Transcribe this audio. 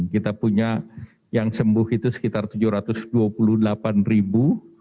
kita punya yang sembuh itu sekitar tujuh ratus dua puluh delapan ribu